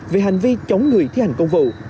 về hành vi chống người thi hành công vụ